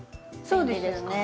そうですよね。